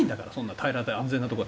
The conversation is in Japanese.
平らで安全なところ。